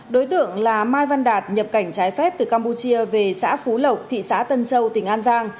đối tượng là mai văn đạt nhập cảnh trái phép từ campuchia về xã phú lộc thị xã tân châu tỉnh an giang